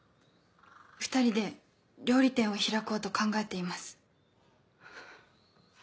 ２人で料理店を開こうと考えています。